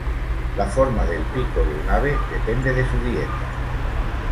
La forma del pico de un ave depende de su dieta.